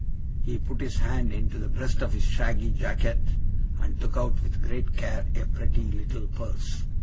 He put his hand into the breast of his shaggy jacket, and took out with great care a pretty little purse.